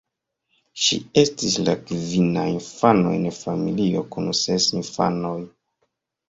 Ŝi estis la kvina infano en familio kun ses infanoj.